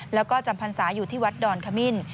แล้วก็จำพรรษาอยู่ที่วัดดอนขมิ้น